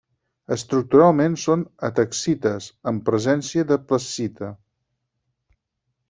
Estructuralment són ataxites, amb presència de plessita.